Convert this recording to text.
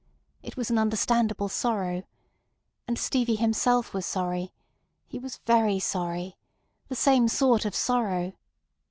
It was an understandable sorrow. And Stevie himself was sorry. He was very sorry. The same sort of sorrow.